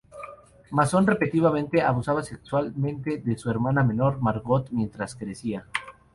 Mason repetidamente abusaba sexualmente de su hermana menor Margot mientras crecía.